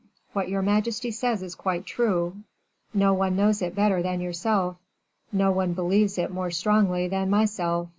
"What your majesty says is quite true; no one knows it better than yourself no one believes it more strongly than myself.